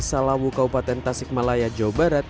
salawu kabupaten tasik malaya jawa barat